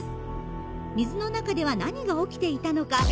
水の中では何が起きていたのか。